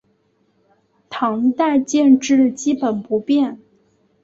唐代建制基本不变。